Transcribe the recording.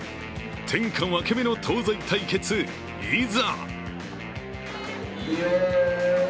天下分け目の東西対決、いざ！